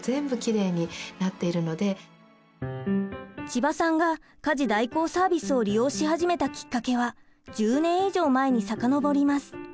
千葉さんが家事代行サービスを利用し始めたきっかけは１０年以上前に遡ります。